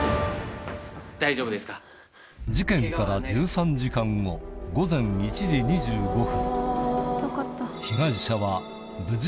事件から１３時間後午前１時２５分